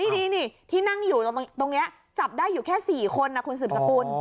นี่ที่นั่งอยู่ตรงนี้จับได้อยู่แค่๔คนนะคุณสืบสกุล